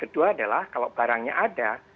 kedua adalah kalau barangnya ada